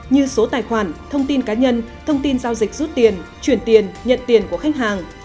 như số tài khoản thông tin cá nhân thông tin giao dịch rút tiền chuyển tiền nhận tiền của khách hàng